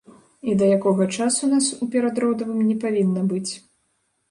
І да якога часу нас у перадродавым не павінна быць.